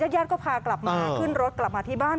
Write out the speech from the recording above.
ญาติก็พากลับมาขึ้นรถกลับมาที่บ้าน